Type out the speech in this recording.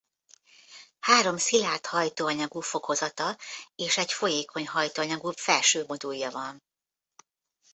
Három szilárd hajtóanyagú fokozata és egy folyékony hajtóanyagú felső modulja van.